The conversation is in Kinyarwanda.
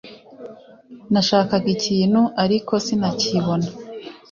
Nashakaga ikintu, ariko sinakibona.